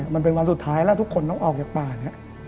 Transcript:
มันเป็นวันสุดท้ายแล้วทุกคนต้องออกจากป่าเนี่ย